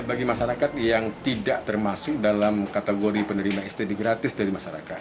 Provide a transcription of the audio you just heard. bagi masyarakat yang tidak termasuk dalam kategori penerima std gratis dari masyarakat